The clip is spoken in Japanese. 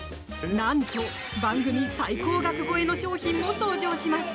何と、番組最高額超えの商品も登場します。